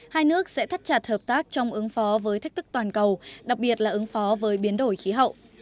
hai nước sẽ thắt chặt hợp tác trong ứng phó với thách thức toàn cầu đặc biệt là ứng phó với biến đổi khí hậu